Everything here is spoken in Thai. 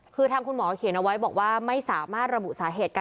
คือทักคุณหมอเขียนเอาไว้บอกว่าไม่สามารถ